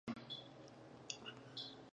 له عرب تر چین ماچینه مي دېرې دي